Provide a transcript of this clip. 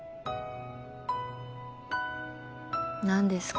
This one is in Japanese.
何ですか？